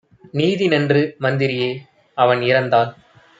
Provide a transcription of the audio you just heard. நீதிநன்று மந்திரியே! அவன் இறந்தால்